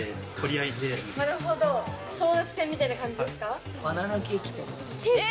なるほど争奪戦みたいな感じですか？